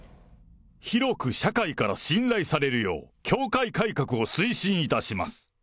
広く社会から信頼されるよう、教会改革を推進いたします。